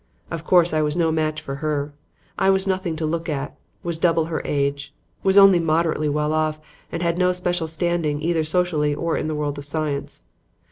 Of course I was no match for her. I was nothing to look at, was double her age, was only moderately well off and had no special standing either socially or in the world of science.